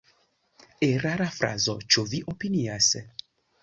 Erara frazo, ĉu vi opinias?